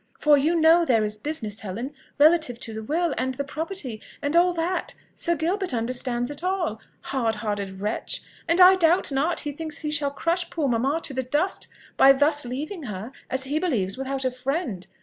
For you know there is business, Helen, relative to the will, and the property, and all that Sir Gilbert understands it all, hard hearted wretch! and I doubt not he thinks he shall crush poor mamma to the dust by thus leaving her, as he believes, without a friend.